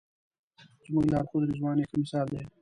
زموږ لارښود رضوان یې ښه مثال دی.